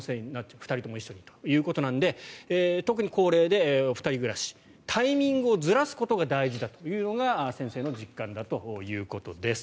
２人とも一緒にということなので特に高齢で２人暮らしタイミングをずらすことが大事だというのが先生の実感だということです。